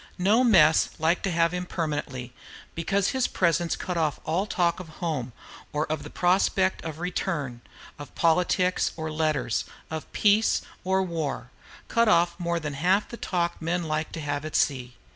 No mess liked to have him permanently, because his presence cut off all talk of home or of the prospect of return, of politics or letters, of peace or of war, cut off more than half the talk men liked to have at sea.